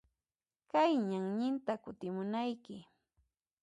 Kaq ñanninta kutimunayki.